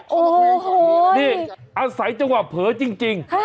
โอ้โหนี่อาศัยจังหวะเผลอจริง